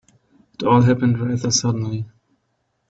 It all happened rather suddenly.